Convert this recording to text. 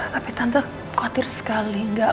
tapi tante khawatir sekali